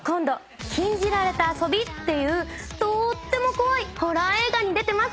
『禁じられた遊び』っていうとーっても怖いホラー映画に出てます。